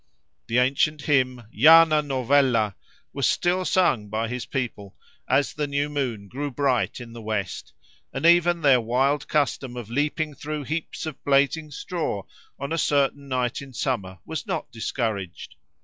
The ancient hymn—Fana Novella!—was still sung by his people, as the new moon grew bright in the west, and even their wild custom of leaping through heaps of blazing straw on a certain night in summer was not discouraged.